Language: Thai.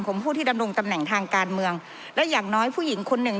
ผู้ที่ดำรงตำแหน่งทางการเมืองและอย่างน้อยผู้หญิงคนหนึ่ง